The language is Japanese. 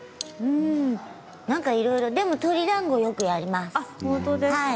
なんかいろいろでも鶏だんご、よくやります。